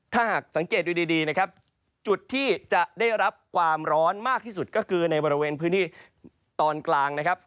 ถ้าหากสังเกตดูดีนะครับจุดที่จะได้รับความร้อนมากที่สุดก็คือในบริเวณพื้นที่ตอนกลางนะครับ